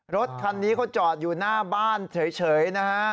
รถคันนี้เขาจอดอยู่หน้าบ้านเฉยนะฮะ